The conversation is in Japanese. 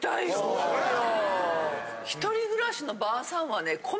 そうよ。